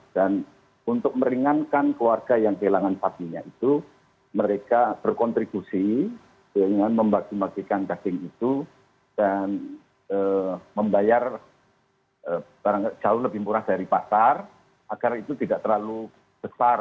dan untuk meringankan keluarga yang kehilangan patinya itu mereka berkontribusi dengan membagikan daging itu dan membayar jauh lebih murah dari pasar agar itu tidak terlalu besar